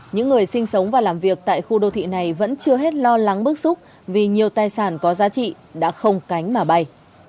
những người sinh sống và làm việc tại khu đô thị này vẫn chưa hết lo lắng bức xúc vì nhiều tài sản có giá trị đã không cánh mà bay